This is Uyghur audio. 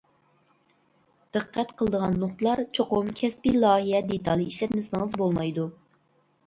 دىققەت قىلىدىغان نۇقتىلار چوقۇم كەسپىي لايىھە دېتالى ئىشلەتمىسىڭىز بولمايدۇ.